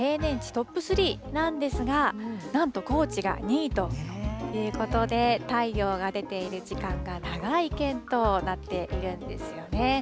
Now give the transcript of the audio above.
トップ３なんですが、なんと高知が２位ということで、太陽が出ている時間が長い県となっているんですよね。